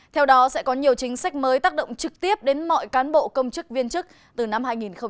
theo đó sẽ có nhiều chính sách mới tác động trực tiếp đến mọi cán bộ công chức viên chức từ năm hai nghìn hai mươi